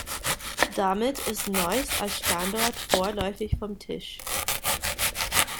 Damit ist Neuss als Standort vorläufig vom Tisch.